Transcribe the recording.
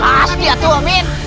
pasti ya tu om men